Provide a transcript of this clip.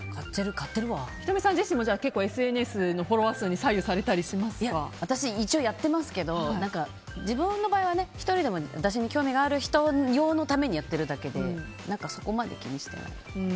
仁美さん自身もＳＮＳのフォロワー数に私、一応やってますけど自分の場合は１人でも私に興味がある人用のためにやっているだけでそこまで気にしてない。